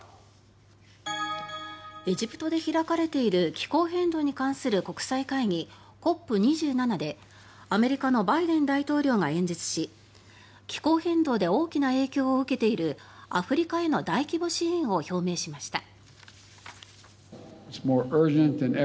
エジプトで開かれている気候変動に関する国際会議ＣＯＰ２７でアメリカのバイデン大統領が演説し気候変動で大きな影響を受けているアフリカへの大規模支援を表明しました。